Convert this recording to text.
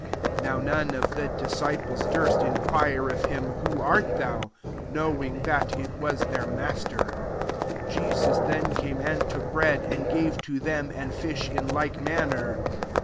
Now none of the disciples durst in quii'e of him,," Who art thou ?'* knowing that it was their Mas ter. 13 Jesus [then] came, and took bread, and gave to them, and fish in like manner.